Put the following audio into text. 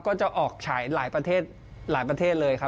ก็จะออกฉายหลายประเทศเลยครับ